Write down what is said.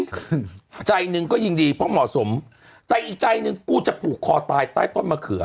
คือใจหนึ่งก็ยิ่งดีเพราะเหมาะสมแต่อีกใจหนึ่งกูจะผูกคอตายใต้ต้นมะเขือ